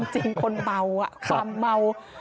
จริงคนเมาความเมา